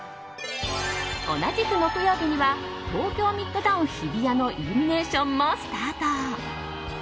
同じく木曜日には東京ミッドタウン日比谷のイルミネーションもスタート。